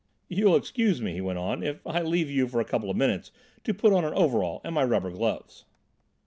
"You will excuse me," he went on, "if I leave you for a couple of minutes to put on an overall and my rubber gloves?"